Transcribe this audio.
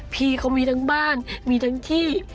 พี่เขามีทั้งบ้านมีทั้งที่